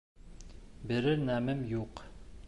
— Бирер нәмәм юҡ.